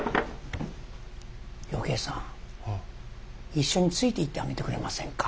一緒についていってあげてくれませんか？